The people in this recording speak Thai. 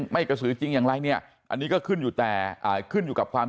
ไม่กระสือจริงอย่างไรเนี่ยอันนี้ก็ขึ้นอยู่แต่ขึ้นอยู่กับความ